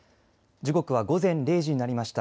時刻は午前０時になりました。